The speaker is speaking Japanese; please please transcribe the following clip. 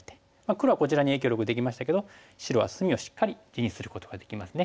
黒はこちらに影響力できましたけど白は隅をしっかり地にすることができますね。